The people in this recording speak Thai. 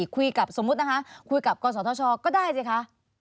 คุยกับสมมตินะฮะคุยกับกษชก็ได้สิคะ